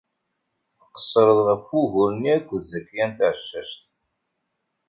Tqeṣṣreḍ ɣef wugur-nni akked Zakiya n Tɛeccact.